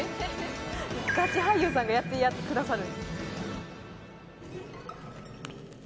ガチ俳優さんがやってくださる。